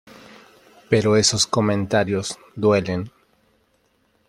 pero esos comentarios, duelen.